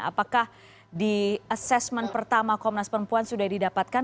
apakah di asesmen pertama komnas perempuan sudah didapatkan